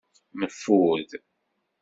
Neffud.